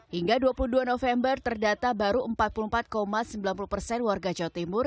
hingga dua puluh dua november terdata baru empat puluh empat sembilan puluh persen warga jawa timur